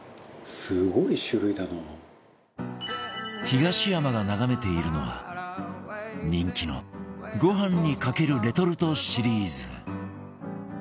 東山が眺めているのは人気のごはんにかけるレトルトシリーズ